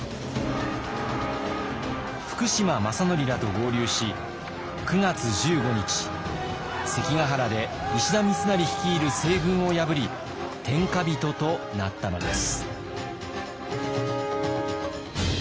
福島正則らと合流し９月１５日関ヶ原で石田三成率いる西軍を破り天下人となったのです。